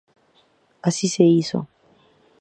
Así se hizo.